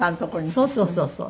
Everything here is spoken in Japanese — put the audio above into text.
そうそうそうそう。